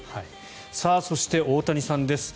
そして、大谷さんです。